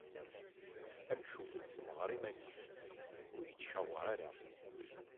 Amcum issemɣar iman-is, ur ittcawar ara.